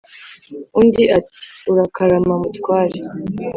undi ati"urakarama mutware"